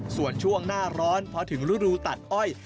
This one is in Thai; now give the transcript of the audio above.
ส่วนช่วงหน้าร้อนพอถึงฤดูตัดอ้อย